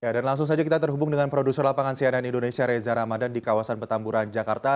dan langsung saja kita terhubung dengan produser lapangan cnn indonesia reza ramadan di kawasan petamburan jakarta